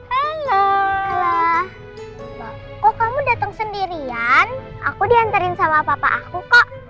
halolah kok kamu datang sendirian aku diantarin sama papa aku kok